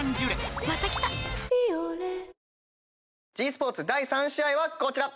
ｇスポーツ第３試合はこちら。